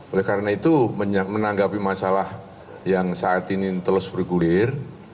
oleh karena itu menanggapi masalah yang saat ini terus bergulir